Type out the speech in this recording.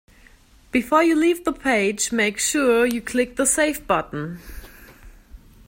Before you leave the page, make sure you click the save button